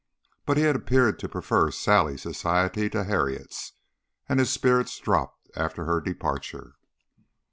But he had appeared to prefer Sally's society to Harriet's, and his spirits dropped after her departure.